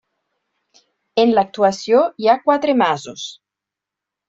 En l'actuació hi ha quatre masos.